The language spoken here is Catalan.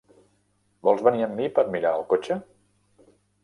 Vols venir amb mi per mirar el cotxe?